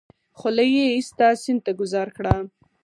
خولۍ يې ايسته سيند ته گوزار کړه.